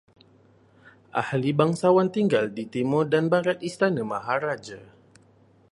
Ahli bangsawan tinggal di timur dan barat istana maharaja